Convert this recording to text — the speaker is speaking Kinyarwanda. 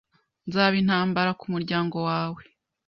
Nzaba intambara kumuryango wawe,